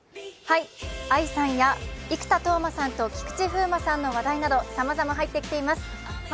ＡＩさんや生田斗真さんと菊池風磨さんの話題などさまざま入ってきています。